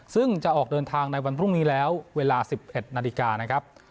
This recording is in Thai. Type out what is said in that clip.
ซึ่งจะออกเดินทางในวันพรุ่งนี้แล้วเวลา๑๑นาฬิกานะครับ